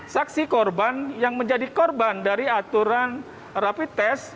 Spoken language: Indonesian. saksi korban yang menjadi korban dari aturan rapi tes